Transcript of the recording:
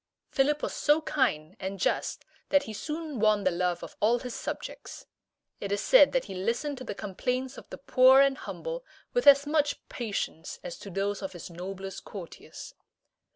Philip was so kind and just that he soon won the love of all his subjects. It is said that he listened to the complaints of the poor and humble with as much patience as to those of his noblest courtiers.